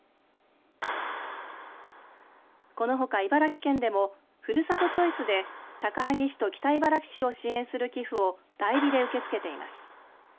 このほか茨城県でもふるさとチョイスで、高萩市と北茨城市を支援する寄付を代理で受け付けています。